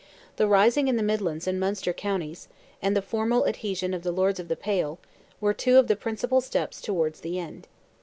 The rising in the midland and Munster counties, and the formal adhesion of the Lords of the Pale, were two of the principal steps towards the end.